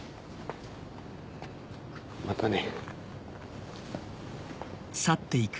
またね。